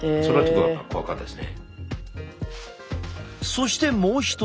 そしてもう一人。